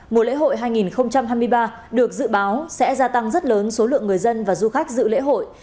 mùa lễ hội hai nghìn hai mươi ba được dự báo sẽ gia tăng rất lớn số lượng người dân và du khách dự lễ hội